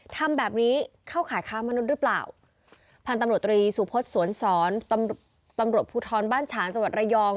ทำแบบนี้เข้าขายค้ามนุษย์หรือเปล่าพันธุ์ตำรวจตรีสุพศสวนสอนตำรวจภูทรบ้านฉางจังหวัดระยอง